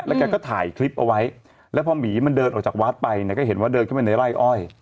แกก็ถ่ายคลิปเอาไว้แล้วพอหมีมันเดินออกจากวัดไปเนี่ยก็เห็นว่าเดินเข้าไปในไร่อ้อย